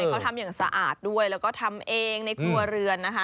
เขาทำอย่างสะอาดด้วยแล้วก็ทำเองในครัวเรือนนะคะ